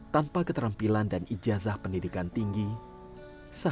tanpa keterampilan dan ijazah penyelamatkan kekuatan mereka